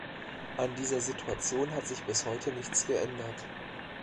An dieser Situation hat sich bis heute nichts geändert.